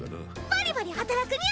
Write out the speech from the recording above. バリバリ働くにゃ。